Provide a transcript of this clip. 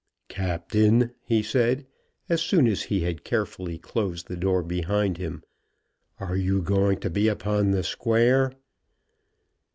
"Captain," he said, as soon as he had carefully closed the door behind him, "are you going to be upon the square?"